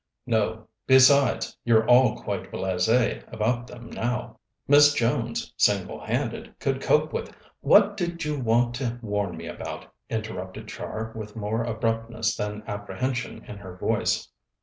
"No; besides, you're all quite blasées about them now. Miss Jones, single handed, could cope with " "What did you want to warn me about?" interrupted Char, with more abruptness than apprehension in her voice.